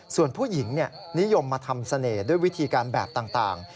ส่วนผู้หญิงนิยมมาทำเสน่ห์ด้วยวิธีการแบบต่าง